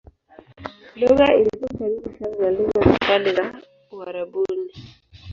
Lugha ilikuwa karibu sana na lugha za kale za Uarabuni.